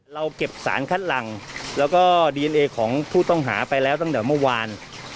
เราเก็บสารคัดหลังแล้วก็ดีเอนเอของผู้ต้องหาไปแล้วตั้งแต่เมื่อวาน